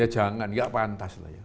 ya jangan nggak pantas lah ya